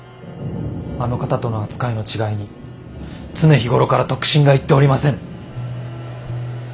あの方との扱いの違いに常日頃から得心がいっておりませぬ。